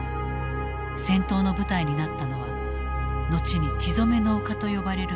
戦闘の舞台になったのは後に血染めの丘と呼ばれるムカデ高地。